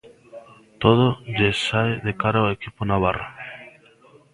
Todo lle sae de cara ao equipo navarro.